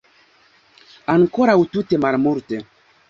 Ankoraŭ tute malmulte.